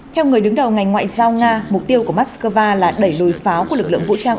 theo người đứng đầu ngành ngoại giao nga mục tiêu của moscow là đẩy lùi pháo của lực lượng vũ trang